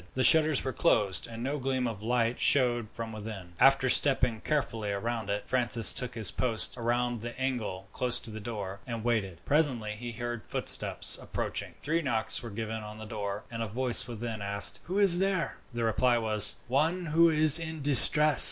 The shutters were closed, and no gleam of light showed from within. After stepping carefully round it, Francis took his post round the angle close to the door, and waited. Presently he heard footsteps approaching three knocks were given on the door, and a voice within asked, "Who is there?" The reply was, "One who is in distress."